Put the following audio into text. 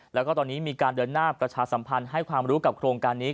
แล้วก็ตอนนี้มีการเดินหน้าประชาสัมพันธ์ให้ความรู้กับโครงการนี้